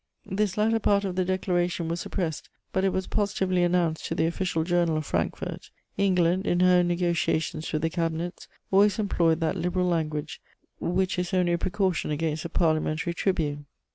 This latter part of the declaration was suppressed, but it was positively announced in the official journal of Frankfort. England, in her negociations with the Cabinets, always employs that Liberal language, which is only a precaution against the parliamentary tribune.